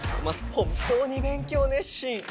本当に勉強熱心！